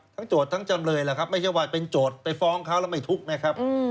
โจทย์ทั้งจำเลยล่ะครับไม่ใช่ว่าเป็นโจทย์ไปฟ้องเขาแล้วไม่ทุกข์นะครับ